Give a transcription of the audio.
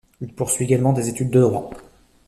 Il poursuit également des études de droit.